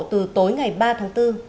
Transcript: từ tối ngày ba tháng bốn